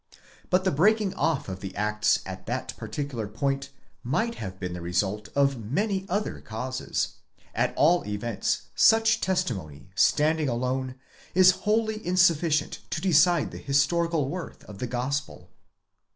But, the breaking off of the Acts at that particular point might have been the result of many other causes; at all events such testimony, standing alone, is wholly insufficient to decide the historical worth of the Gospel.